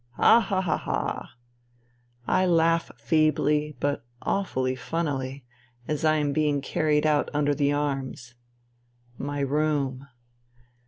Ha, ha, ha, ha ! I laugh feebly but awfully funnily, as I am being carried out under the arms. My room.